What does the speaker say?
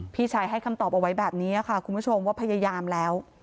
พี่ชายให้คำตอบเอาไว้แบบนี้ค่ะคุณผู้ชมว่าพยายามแล้ว